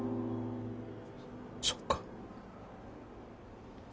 そっか。